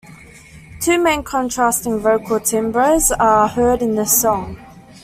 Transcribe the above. Two main contrasting vocal timbres are heard in this song.